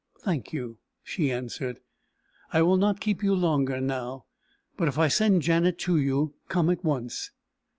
"Thank you," she answered. "I will not keep you longer now. But if I send Janet to you, come at once.